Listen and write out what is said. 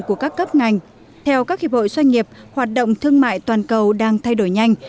của các cấp ngành theo các hiệp hội doanh nghiệp hoạt động thương mại toàn cầu đang thay đổi nhanh